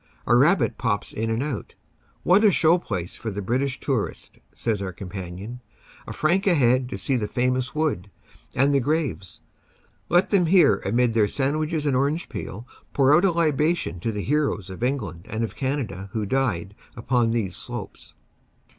A rabbit pops in and out. "What a show place for the British tourist," says our com panion. "A franc a head to see the famous wood and the graves. Let them here amid their sandwiches and orange peel pour out a libation to the heroes of England and of Canada who died upon these slopes."